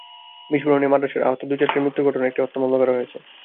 বিস্ফোরণে মাদ্রাসার আহত দুই ছাত্রের মৃত্যুর ঘটনায় একটি হত্যা মামলা করা হয়েছে।